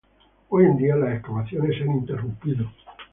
Hoy en día, las excavaciones se han interrumpido.